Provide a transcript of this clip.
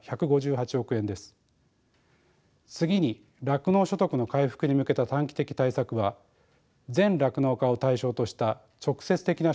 次に酪農所得の回復に向けた短期的対策は全酪農家を対象とした直接的な所得補償です。